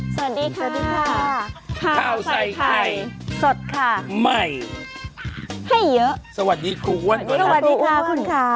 สวัสดีค่ะสวัสดีค่ะข้าวใส่ไข่สดค่ะใหม่ให้เยอะสวัสดีคุณค่ะคุณค่ะสวัสดีค่ะ